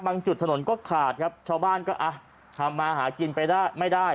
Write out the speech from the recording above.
จุดถนนก็ขาดครับชาวบ้านก็อ่ะทำมาหากินไปได้ไม่ได้